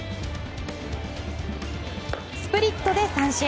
スプリットで三振。